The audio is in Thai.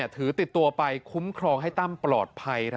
ถือติดตัวไปคุ้มครองให้ตั้มปลอดภัย